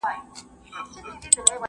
ارواپوهنيز دلايل د منلو وړ نه دي.